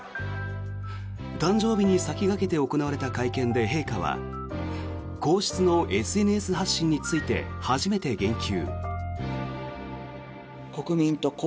誕生日に先駆けて行われた会見で陛下は皇室のＳＮＳ発信について初めて言及。